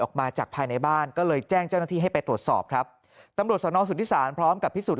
ออกมาจากภายในบ้านก็เลยแจ้งเจ้าหน้าที่ให้ไปตรวจสอบครับตำรวจสนสุธิศาลพร้อมกับพิสูจน